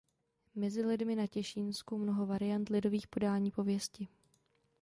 Mezi lidmi na Těšínsku mnoho variant lidových podání pověsti.